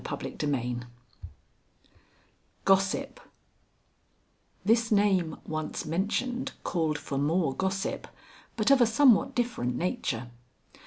XIII GOSSIP This name once mentioned called for more gossip, but of a somewhat different nature.